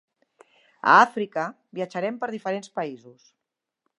A Àfrica, viatjarem per diferents països.